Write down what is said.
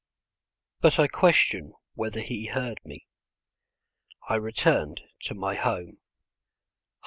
But I question whether he heard me. I returned to my home.